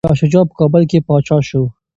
شاه شجاع په کابل کي پاچا شو.